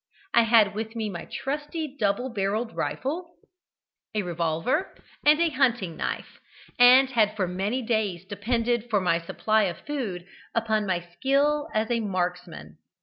I had with me my trusty double barrelled rifle, a revolver, and a hunting knife, and had for many days depended for my supply of food upon my skill as a marksman.